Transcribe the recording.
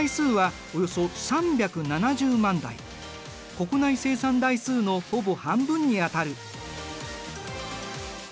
国内生産台数のほぼ半分にあたる。